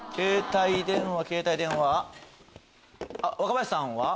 若林さんは？